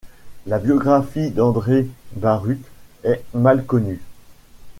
La biographie d'André Baruc est mal connue.